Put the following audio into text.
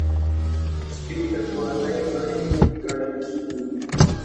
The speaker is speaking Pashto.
سپي د کورنۍ غړی ګڼل کېږي.